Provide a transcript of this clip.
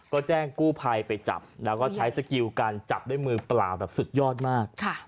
ก็แจ้งกู้ภัยไปจับแล้วก็ใช้สกิลการจับด้วยมือเปล่าแบบสุดยอดมาก